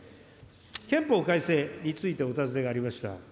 憲法改正についてお尋ねがありました。